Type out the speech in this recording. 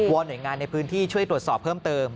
อนหน่วยงานในพื้นที่ช่วยตรวจสอบเพิ่มเติม